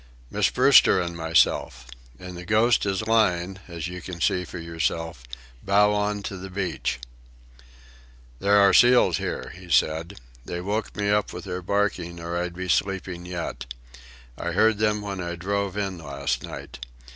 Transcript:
"Miss Brewster and myself. And the Ghost is lying, as you can see for yourself, bow on to the beach." "There are seals here," he said. "They woke me up with their barking, or I'd be sleeping yet. I heard them when I drove in last night.